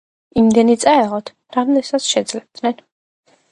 იმდენი წაეღოთ, რამდენსაც შეძლებდნენ